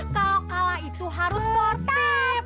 kalo kalah itu harus sportif